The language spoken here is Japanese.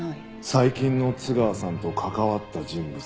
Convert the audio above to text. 最近の津川さんと関わった人物か。